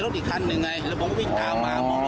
รถอีกคันหนึ่งไงบอมก็วิ่งตามาอะพอ